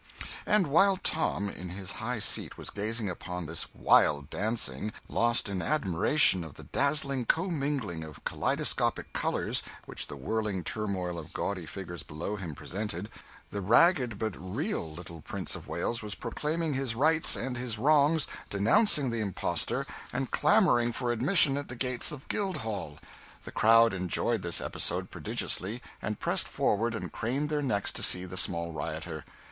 And while Tom, in his high seat, was gazing upon this 'wild' dancing, lost in admiration of the dazzling commingling of kaleidoscopic colours which the whirling turmoil of gaudy figures below him presented, the ragged but real little Prince of Wales was proclaiming his rights and his wrongs, denouncing the impostor, and clamouring for admission at the gates of Guildhall! The crowd enjoyed this episode prodigiously, and pressed forward and craned their necks to see the small rioter.